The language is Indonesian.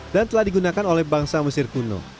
dan telah digunakan oleh bangsa mesir kuno